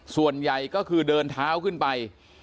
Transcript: ส่วนใหญ่ก็คือเดินเท้าขึ้นไป